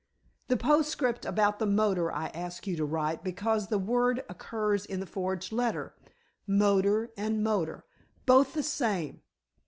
The postscript about the motor I asked you to write because the word occurs in the forged letter. Motor and motor both the same."